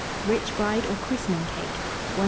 RICH BRIDE OR CHRISTENING CAKE. 1753.